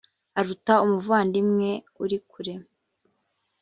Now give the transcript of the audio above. aruta umuvandimwe uri kure